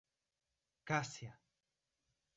Cássia